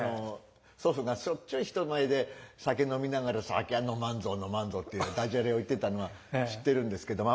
祖父がしょっちゅう人前で酒飲みながら「酒は飲まんぞう飲まんぞう」っていうダジャレを言ってたのは知ってるんですけども。